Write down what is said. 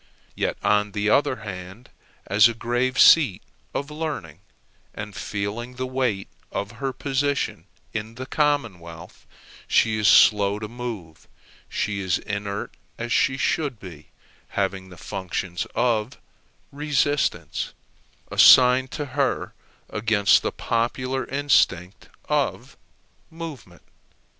Yet, on the other hand, as a grave seat of learning, and feeling the weight of her position in the commonwealth, she is slow to move: she is inert as she should be, having the functions of resistance assigned to her against the popular instinct of movement.